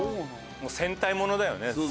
戦隊ものだよね。